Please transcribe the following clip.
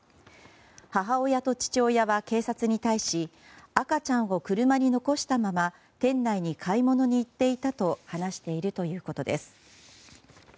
母親と父親は警察に対し赤ちゃんを車に残したまま店内に買い物に行っていたと話しているということです。